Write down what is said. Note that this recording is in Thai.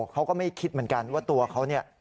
เขาก็ไม่คิดเหมือนกันว่าตัวเขาเนี่ย